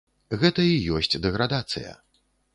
Гэта і ёсць дэградацыя.